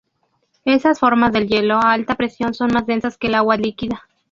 Esas formas del hielo a alta presión son más densas que el agua líquida.